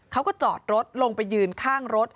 เขาก็จอดรถลงไปยืนข้างรถ